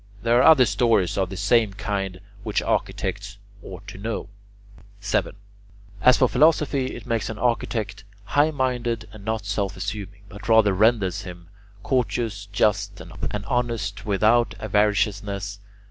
There are other stories of the same kind which architects ought to know. 7. As for philosophy, it makes an architect high minded and not self assuming, but rather renders him courteous, just, and honest without avariciousness.